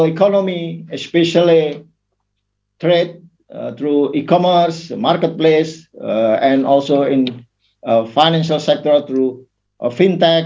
terutama perbelanjaan melalui e commerce marketplace dan juga di sektor finansial melalui fintech